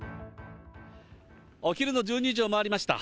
お昼の１２時を回りました。